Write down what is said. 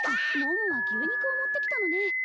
桃は牛肉を持ってきたのね